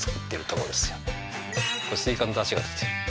これスイカのだしがでてる。